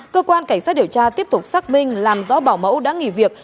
cơ quan cảnh sát điều tra tiếp tục xác minh làm rõ bảo mẫu đã nghỉ việc